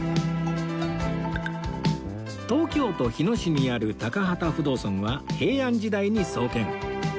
東京都日野市にある高幡不動尊は平安時代に創建